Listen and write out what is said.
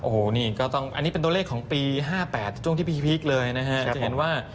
โธ่นี่ก็ต้องอันนี้เป็นตัวเลขของปี๕๘จะจ้างที่พีคเลยนะฮะ